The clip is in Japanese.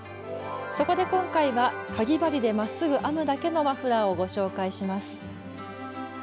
そこで今回はかぎ針でまっすぐ編むだけのマフラーをご紹介します。